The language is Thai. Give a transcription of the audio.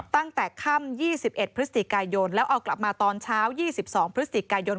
ตั้งแต่ค่ำ๒๑พฤศจิกายนแล้วเอากลับมาตอนเช้า๒๒พฤศจิกายน